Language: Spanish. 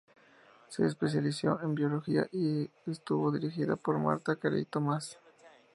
Se especializó en biología y estuvo dirigida por Martha Carey Thomas.